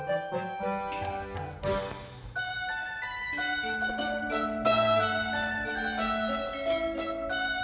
insinyur jika ada yang berj